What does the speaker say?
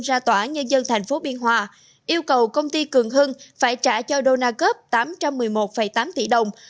ra tỏa nhân dân thành phố biên hòa yêu cầu công ty cường hưng phải trả cho đô na cóc tám trăm một mươi một tám tỷ đồng